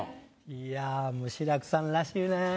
いやもう志らくさんらしいね。